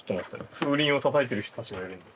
風鈴をたたいてる人たちがいるんで。